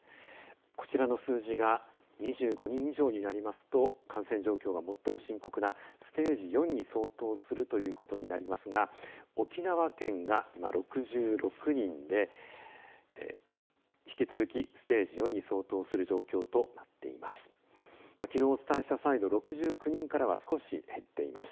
こちらの数字が２５人以上になりますと感染状況が最も深刻なステージ４に相当するということになりますが沖縄県がいま６６人で引き続きステージ４に相当する状況となっています。